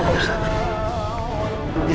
masa itu aku tinggal